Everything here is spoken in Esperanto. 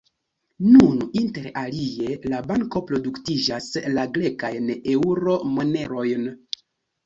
Nun, inter alie, la banko produktiĝas la grekajn eŭro-monerojn.